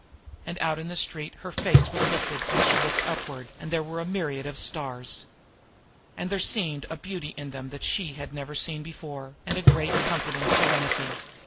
And out in the street her face was lifted and she looked upward, and there were myriad stars. And there seemed a beauty in them that she had never seen before, and a great, comforting serenity.